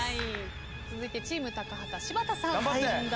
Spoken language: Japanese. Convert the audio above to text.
続いてチーム高畑柴田さん問題